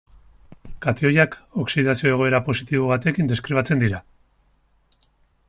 Katioiak, oxidazio egoera positibo batekin deskribatzen dira.